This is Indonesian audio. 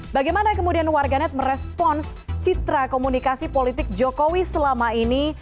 bagaimana kemudian warganet merespons citra komunikasi politik jokowi selama ini